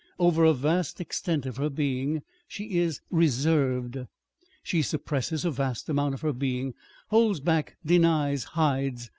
Over a vast extent of her being she is RESERVED. She suppresses a vast amount of her being, holds back, denies, hides.